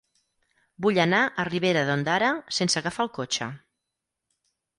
Vull anar a Ribera d'Ondara sense agafar el cotxe.